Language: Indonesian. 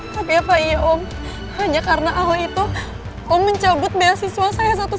tapi apa iya om hanya karena ahli itu om mencabut beasiswa saya satu satunya di kampus